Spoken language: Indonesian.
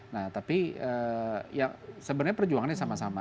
nah tapi sebenarnya perjuangannya sama sama